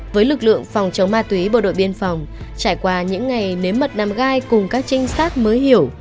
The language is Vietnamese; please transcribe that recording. với lực lượng phòng chống ma túy bộ đội biên phòng trải qua những ngày nếm mật nam gai cùng các trinh sát mới hiểu